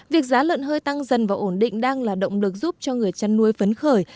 việc giá lợn hơi tăng dần và ổn định đang là động lực giúp cho người chăn nuôi phấn khởi